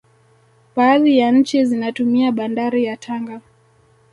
baadhi ya nchi zinatumia bandari ya tanga